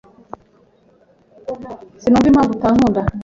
Sinumva impamvu atankunda.